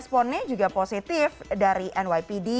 responnya juga positif dari nypd